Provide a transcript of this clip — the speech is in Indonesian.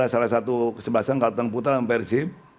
salah satu kesebelasan kalteng putra dan persib